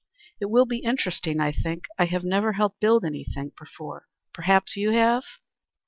"It will be interesting, I think. I have never helped build anything before. Perhaps you have?"